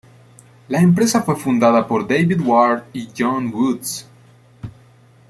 La empresa fue fundada por David Ward y Jon Woods.